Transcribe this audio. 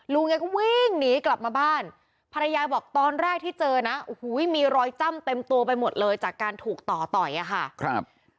แกก็วิ่งหนีกลับมาบ้านภรรยาบอกตอนแรกที่เจอนะโอ้โหมีรอยจ้ำเต็มตัวไปหมดเลยจากการถูกต่อต่อยอะค่ะครับ